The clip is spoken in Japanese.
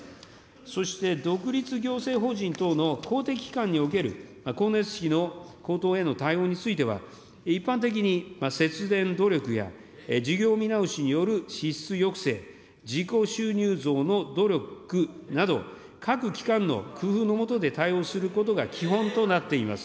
そして独立行政法人等の公的機関における、光熱費の高騰への対応については、一般的に節電努力や、事業見直しによる支出抑制、自己収入増の努力など、各機関の工夫のもとで対応することが基本となっています。